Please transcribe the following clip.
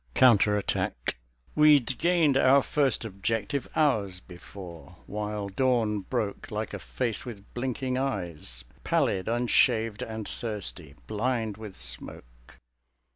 COUNTER ATTACK We'd gained our first objective hours before While dawn broke like a face with blinking eyes, Pallid, unshaved ind thirsty, blind with smoke.